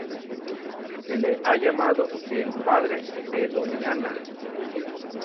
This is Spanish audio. Se le ha llamado ""el Padre de Doñana"".